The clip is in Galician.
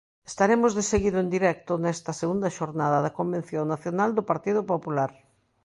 Estaremos deseguido en directo nesta segunda xornada da Convención nacional do Partido Popular.